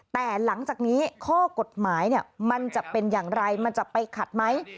แต่หลังจากนี้ข้อกฎหมายมันจะเป็นอย่างไรมันจะไปขัดไหม